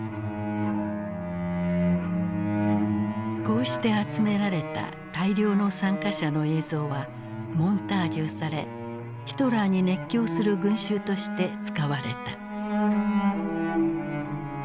こうして集められた大量の参加者の映像はモンタージュされヒトラーに熱狂する群衆として使われた。